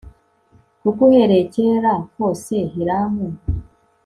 kuko uhereye kera kose Hiramu